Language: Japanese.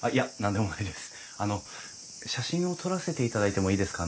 あの写真を撮らせていただいてもいいですか？